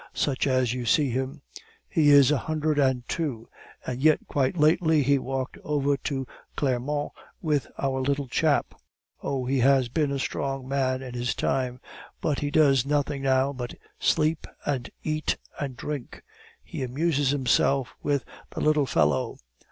Such as you see him, he is a hundred and two, and yet quite lately he walked over to Clermont with our little chap! Oh, he has been a strong man in his time; but he does nothing now but sleep and eat and drink. He amuses himself with the little fellow.